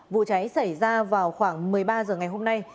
vụ cháy xảy ra vào khoảng một mươi ba h ngày hôm nay